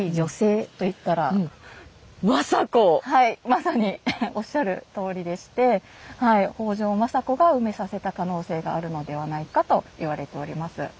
まさにおっしゃるとおりでして北条政子が埋めさせた可能性があるのではないかと言われております。